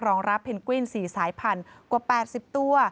รองรับเพนกวิน๔สายพันธุ์กว่า๘๐ตัว